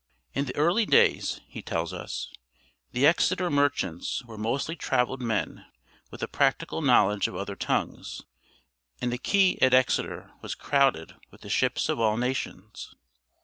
"In the early days," he tells us, "the Exeter merchants were mostly traveled men with a practical knowledge of other tongues, and the quay at Exeter was crowded with the ships of all nations."